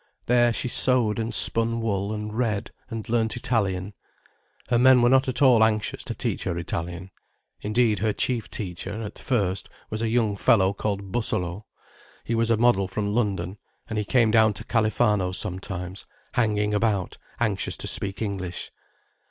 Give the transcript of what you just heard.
There she sewed and spun wool and read, and learnt Italian. Her men were not at all anxious to teach her Italian. Indeed her chief teacher, at first, was a young fellow called Bussolo. He was a model from London, and he came down to Califano sometimes, hanging about, anxious to speak English.